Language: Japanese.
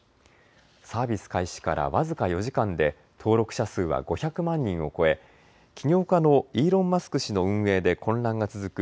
サービス開始から僅か４時間で登録者数は５００万人を超え起業家のイーロン・マスク氏の運営で混乱が続く